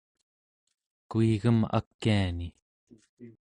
kuigem akiani